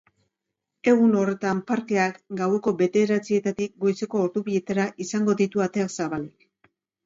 Egun horretan, parkeak gaueko bederatzietatik goizeko ordu bietara izango ditu ateak zabalik.